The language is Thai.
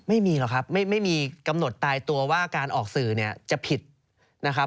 ไม่มีหรอกครับไม่มีกำหนดตายตัวว่าการออกสื่อเนี่ยจะผิดนะครับ